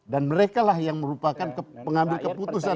dan merekalah yang merupakan pengambil keputusan